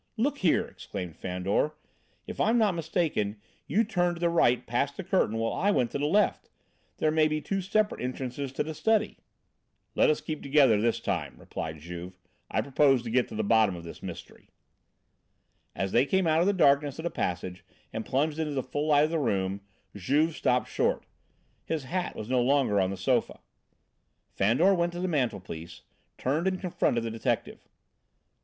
"Look here," exclaimed Fandor, "if I'm not mistaken, you turned to the right past the curtain while I went to the left; there may be two separate entrances to the study." "Let us keep together this time," replied Juve; "I propose to get to the bottom of this mystery." As they came out of the darkness of the passage and plunged into the full light of the room, Juve stopped short. His hat was no longer on the sofa. Fandor went to the mantelpiece, turned and confronted the detective.